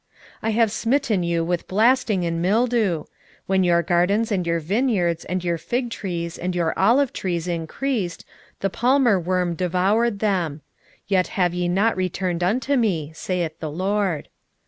4:9 I have smitten you with blasting and mildew: when your gardens and your vineyards and your fig trees and your olive trees increased, the palmerworm devoured them: yet have ye not returned unto me, saith the LORD.